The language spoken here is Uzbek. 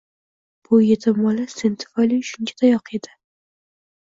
— Bu yetim bola sen tufayli shuncha tayoq yedi.